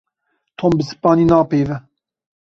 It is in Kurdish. Tom bi Spanî napeyive.